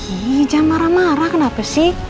ini jangan marah marah kenapa sih